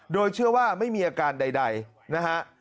โดยเชื่อว่าไม่มีอาการใดนะฮะ